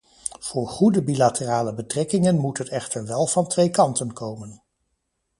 Voor goede bilaterale betrekkingen moet het echter wel van twee kanten komen.